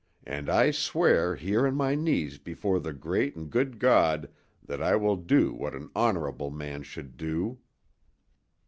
"And I swear here on my knees before the great and good God that I will do what an honorable man should do!"